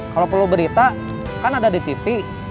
kalau perlu berita kan ada di tv